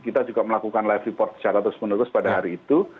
kita juga melakukan live report secara terus menerus pada hari itu